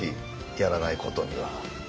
やらないことには。